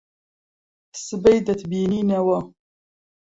سبەی دەتبینینەوە.